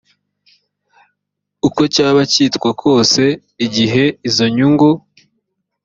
uko cyaba cyitwa kose igihe izo nyungu